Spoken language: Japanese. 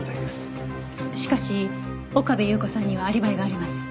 しかし岡部祐子さんにはアリバイがあります。